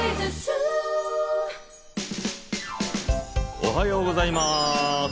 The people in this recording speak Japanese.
おはようございます。